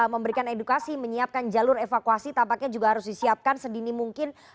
memberikan edukasi menyiapkan jalur evakuasi tampaknya juga harus disiapkan sedini mungkin